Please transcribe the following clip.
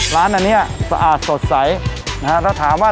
ร้านอันนี้สะอาดสดใสนะฮะแล้วถามว่า